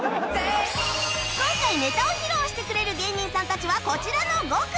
今回ネタを披露してくれる芸人さんたちはこちらの５組